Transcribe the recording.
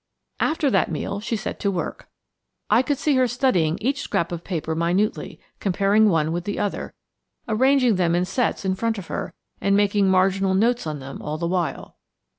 After that meal she set to work. I could see her studying each scrap of paper minutely, comparing one with the other, arranging them in sets in front of her, and making marginal notes on them all the while.